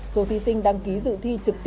số thí sinh đăng ký dự thi